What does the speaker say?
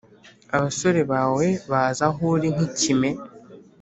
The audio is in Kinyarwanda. Abasore bawe baza aho uri nk’ikime,